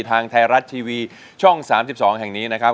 ทางไทยรัฐทีวีช่อง๓๒แห่งนี้นะครับ